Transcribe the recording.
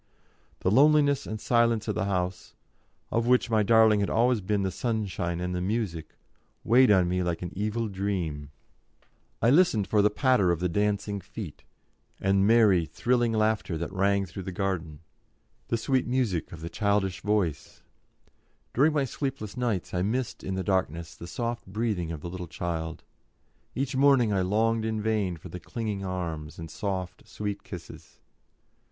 The loneliness and silence of the house, of which my darling had always been the sunshine and the music, weighed on me like an evil dream; I listened for the patter of the dancing feet, and merry, thrilling laughter that rang through the garden, the sweet music of the childish voice; during my sleepless nights I missed in the darkness the soft breathing of the little child; each morning I longed in vain for the clinging arms and soft, sweet kisses.